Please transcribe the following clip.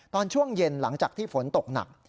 ตอนช่วงเย็นหลังจากที่ฝนตกหนัก